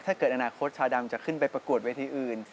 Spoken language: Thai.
ถ้าเกิดอนาคตชาดำจะขึ้นไปประกวดเวทีอื่น